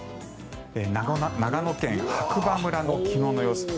長野県白馬村の昨日の様子。